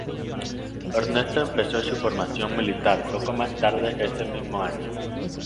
Ernesto empezó su formación militar poco más tarde ese mismo año.